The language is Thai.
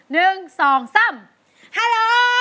ฮัลโหล